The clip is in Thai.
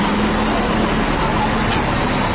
ได้ค่ะสิ่งที่ของคุณก็ได้